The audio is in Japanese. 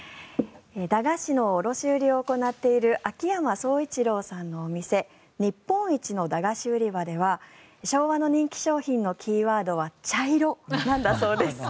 駄菓子の卸売りを行っている秋山創一朗さんのお店日本一のだがし売り場では昭和の人気商品のキーワードは茶色なんだそうです。